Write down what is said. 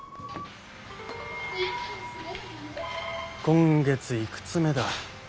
今月いくつ目だ。